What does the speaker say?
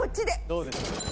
どうでしょう。